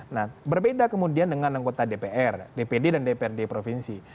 nah berbeda kemudian dengan anggota dpr dpd dan dprd provinsi